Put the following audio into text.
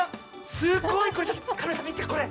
すごいこれ！